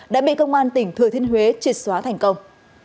đã bị công an tỉnh thừa thiên huế triệt xóa thành công